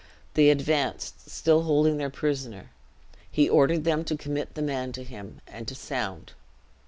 They advanced, still holding their prisoner. He ordered them to commit the man to him, and to sound.